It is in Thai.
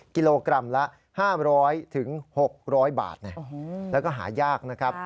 กิโลกรัมละ๕๐๐๖๐๐บาทแล้วก็หายากนะครับ